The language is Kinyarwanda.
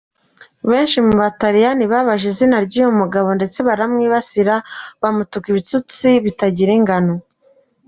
Benshi mu bataliyani babajije izina ry’uyu mugabo ndetse baramwibasira, bamutuka ibitutsi bitagira ingano.